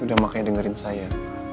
udah makanya dengerin saya